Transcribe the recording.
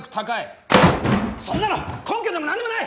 そんなの根拠でも何でもない！